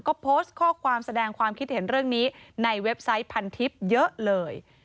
ก็โพสต์ข้อความแสดงความคิดเห็นเรื่องนี้ในเว็บไซต์พันทิพย์เยอะเลย